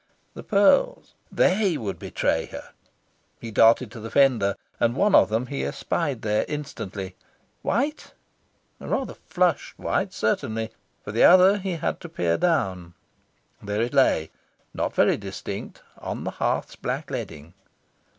The pearls! THEY would betray her. He darted to the fender, and one of them he espied there instantly white? A rather flushed white, certainly. For the other he had to peer down. There it lay, not very distinct on the hearth's black leading.